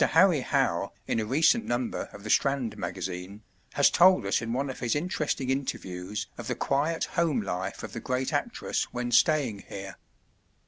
Harry How, in a recent number of THE STRAND MAGAZINE, has told us in one of his interesting "Interviews" of the quiet home life of the great actress when staying here.